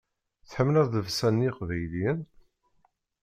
Tḥemmleḍ llebsa n yeqbayliyen?